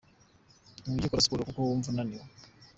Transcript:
Ntujya ukora siporo kuko wumva unaniwe.